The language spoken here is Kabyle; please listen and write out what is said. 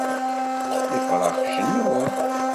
Ifrax cennun